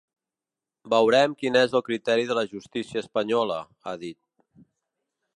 Veurem quin és el criteri de la justícia espanyola, ha dit.